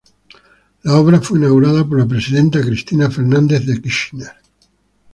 La obra fue inaugurada por la presidenta Cristina Fernández de Kirchner.